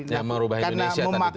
ya mengubah indonesia tadi